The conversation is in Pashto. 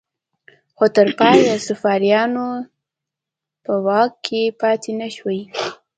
خو تر پایه صفویانو په واک کې پاتې نشوې.